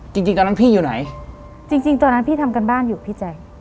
จริงจริงตอนนั้นพี่อยู่ไหนจริงจริงตอนนั้นพี่ทำการบ้านอยู่พี่แจ๊ค